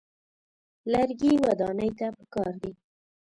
لرګي ودانۍ ته پکار دي.